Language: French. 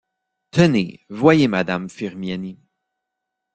Tenez, voyez madame Firmiani.